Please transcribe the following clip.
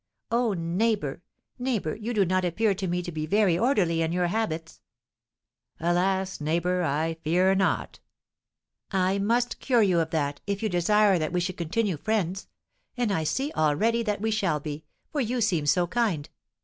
"Oh, neighbour, neighbour, you do not appear to me to be very orderly in your habits!" "Alas, neighbour, I fear not!" "I must cure you of that, if you desire that we should continue friends; and I see already that we shall be, for you seem so kind!